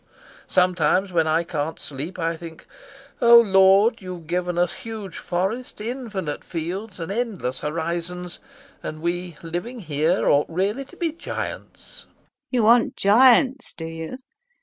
Sometimes, when I can't sleep, I think: "Oh Lord, you've given us huge forests, infinite fields, and endless horizons, and we, living here, ought really to be giants." LUBOV. You want giants, do you?...